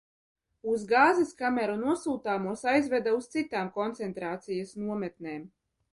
Uz gāzes kameru nosūtāmos aizveda uz citām koncentrācijas nometnēm.